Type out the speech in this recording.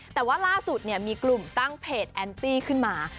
แต่ว่าล่าสุดมีกลุ่มตั้งเพจแอนตี้ขึ้นมา